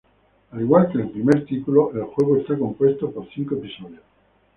Al igual que el primer título, el juego esta compuesto por cinco episodios.